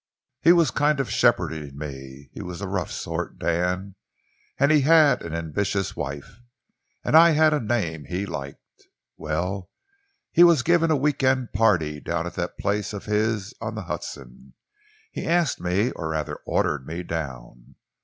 He was kind of shepherding me. He was a rough sort, Dan, and he had an ambitious wife, and I had a name he liked. Well, he was giving a week end party down at that place of his on the Hudson. He asked me, or rather he ordered me down.